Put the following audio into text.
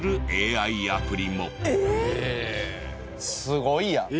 すごいやん。